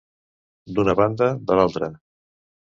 D'una banda..., de l'altra.